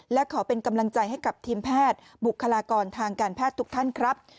และขอเป็นกำลังใจให้กับทีมแพทย์บุคลากรทางการแพทย์ทุกท่านครับ